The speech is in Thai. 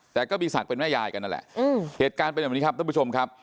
แต่ก็มีศักดิ์เป็นแม่ยายกันนั่นแหละเหตุการณ์เป็นแบบนี้ครับท่านผู้ชมครับ